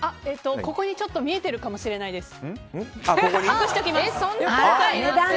ここに見えてるかもしれないです。